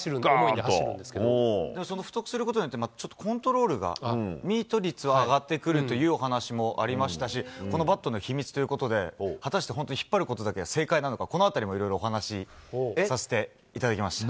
その太くすることによって、またちょっとコントロールが、ミート率が上がってくるという話もありましたし、このバットの秘密ということで、果たして本当、引っ張ることが正解なのか、このあたりもいろいろお話させていただきました。